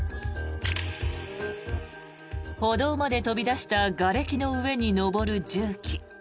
歩道まで飛び出したがれきの上に上る重機。